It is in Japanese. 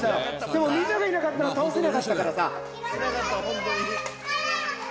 でもみんながいなかったら倒せなかったからさ。